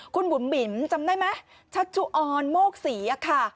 คุณบุ๋มบิ๋มจำได้ไหมชัชชุออนโมกศรีอะค่ะ